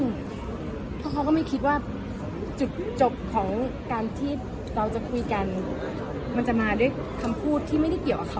เพราะเขาก็ไม่คิดว่าจุดจบของการที่เราจะคุยกันมันจะมาด้วยคำพูดที่ไม่ได้เกี่ยวกับเขา